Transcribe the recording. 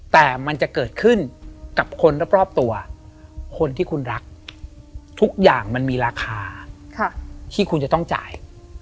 แต่มันจะเกิดขึ้นกับคนรอบตัวคนที่คุณรักทุกอย่างมันมีราคาที่คุณจะต้องจ่าย